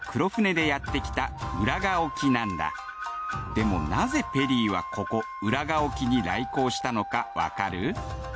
でもなぜペリーはここ浦賀沖に来航したのかわかる？